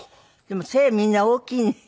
でも背みんな大きいね。